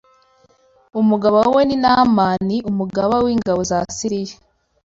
Umugabo we ni Naamani umugaba w’ingabo za Siriya